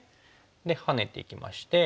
でハネていきまして。